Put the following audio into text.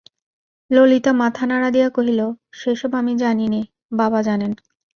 ললিতা মাথা নাড়া দিয়া কহিল, সে-সব আমি জানি নে, বাবা জানেন।